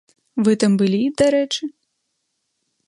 Вы там былі, дарэчы?